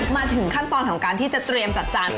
มาถึงขั้นตอนของการที่จะเตรียมจัดจาน